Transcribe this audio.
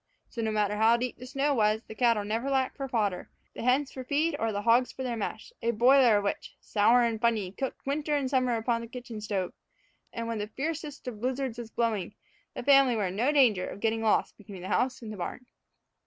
So, no matter how deep the snow was, the cattle never lacked for fodder, the hens for feed, or the hogs for their mash, a boiler of which, sour and fumy, cooked winter and summer upon the kitchen stove; and, when the fiercest of blizzards was blowing, the family were in no danger of getting lost between the house and the barn.